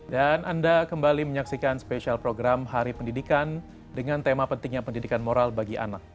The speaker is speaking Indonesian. dan anda kembali menyaksikan spesial program hari pendidikan dengan tema pentingnya pendidikan moral bagi anak